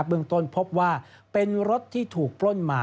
เมืองต้นพบว่าเป็นรถที่ถูกปล้นมา